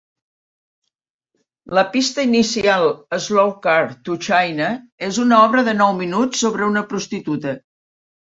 La pista inicial "Slowcar to China" és una obra de nou minuts sobre una prostituta.